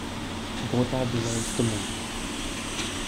Botha denounced the move.